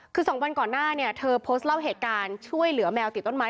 คือ๒วันก่อนหน้าเนี่ยเธอโพสต์เล่าเหตุการณ์ช่วยเหลือแมวติดต้นไม้